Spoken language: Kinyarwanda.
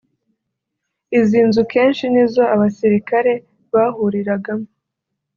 Izi nzu kenshi ni zo abasirikare bahuriragamo